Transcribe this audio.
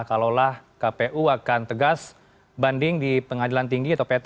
kalaulah kpu akan tegas banding di pengadilan tinggi atau p tiga